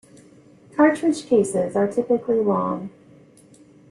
Cartridge cases are typically long.